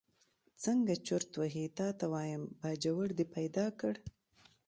څنګه چرت وهې تا ته وایم، باجوړ دې پیدا کړ.